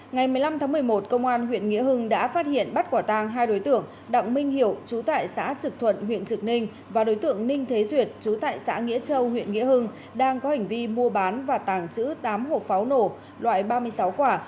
ngày một mươi năm tháng một mươi một công an huyện nghĩa hưng đã phát hiện bắt quả tàng hai đối tượng đặng minh hiệu chú tại xã trực thuận huyện trực ninh và đối tượng ninh thế duyệt chú tại xã nghĩa châu huyện nghĩa hưng đang có hành vi mua bán và tàng trữ tám hộp pháo nổ loại ba mươi sáu quả